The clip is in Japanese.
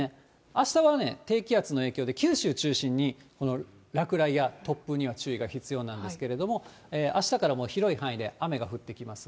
あしたはね、低気圧の影響で、九州中心に、この落雷や突風には注意が必要なんですけれども、あしたから広い範囲で雨が降ってきます。